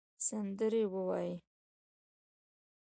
سندرې ووایې